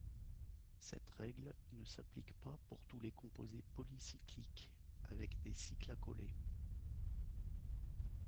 Cette règle ne s'applique pas pour tous les composés polycycliques avec des cycles accolés.